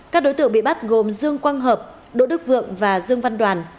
các đối tượng bị bắt gồm dương quang hợp đỗ đức vượng và dương văn đoàn